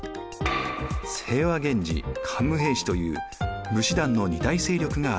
清和源氏桓武平氏という武士団の２大勢力が現れました。